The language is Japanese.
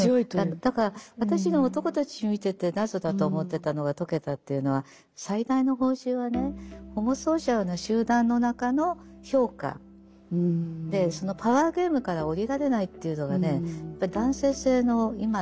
だから私が男たち見てて謎だと思ってたのが解けたというのは最大の報酬はねホモソーシャルな集団の中の評価そのパワーゲームから降りられないというのがね男性性の今の核にあるんだと思います。